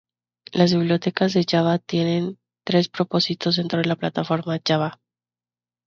Las bibliotecas de Java tienen tres propósitos dentro de la Plataforma Java.